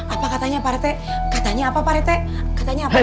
apa katanya pak rete katanya apa pak rete katanya apa